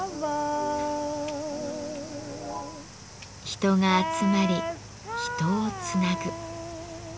人が集まり人をつなぐ。